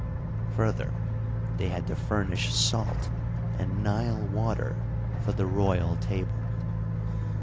Further, they had to furnish salt and Nile water for the royal table.